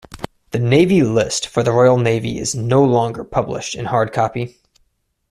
The Navy List for the Royal Navy is no longer published in hard-copy.